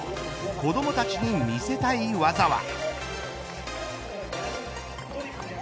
子どもたちに見せたい技は。